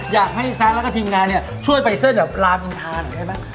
อยากให้ซานและทีมงานช่วยไปเส้นร้านอินทราหน่อยได้ไหม